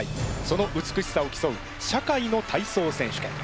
その美しさを競う「社会の体操選手権」。